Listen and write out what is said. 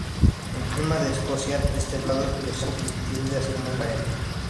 El clima de Escocia es templado y oceánico, y tiende a ser muy variable.